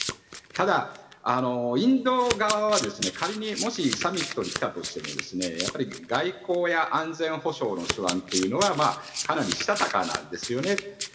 ただ、インド側はもし仮にサミットに来たとしても外交や安全保障の手腕というのはかなりしたたかなんですよね。